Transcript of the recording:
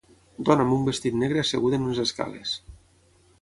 Dona amb un vestit negre asseguda en unes escales.